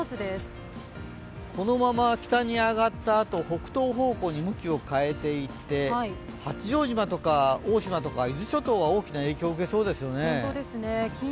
このまま北に上がったあと北東方向に向きを変えていって八丈島とか大島とか伊豆諸島は大きな影響を受けそうですよね。